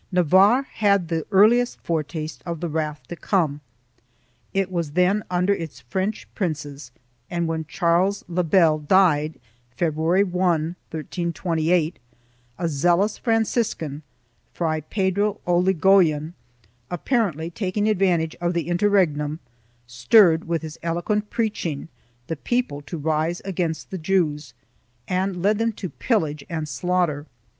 2 Navarre had the earliest foretaste of the wrath to come. It was then under its French princes and, when Charles le Bel died, February 1, 1328, a zealous Franciscan, Fray Pedro Olligo yen, apparently taking advantage of the interregnum, stirred, with his eloquent preaching, the people to rise against the Jews, and led them to pillage and slaughter.